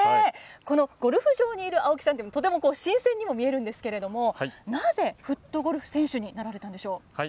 ゴルフ場にいる青木さんっていうのはとても新鮮にも見えるんですがなぜフットゴルフ選手になられたんでしょう？